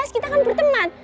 kita kan berteman